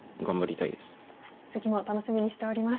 次も楽しみにしております。